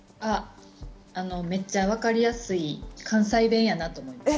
めっちゃわかりやすい関西弁やなぁと思いました。